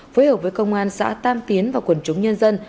phối hợp với công an xã tam tiến và quần chúng nhân dân